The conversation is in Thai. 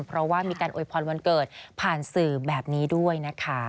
เพราะว่ามีการอวยพรวันเกิดผ่านสื่อแบบนี้ด้วยนะคะ